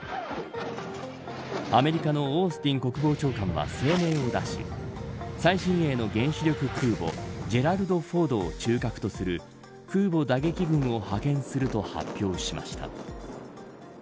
アメリカのオースティン国防長官は声明を出し最新鋭の原子力空母ジェラルド・フォードを中核とする空母打撃群を派遣すると発表しました。